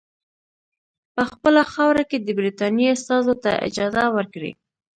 په خپله خاوره کې د برټانیې استازو ته اجازه ورکړي.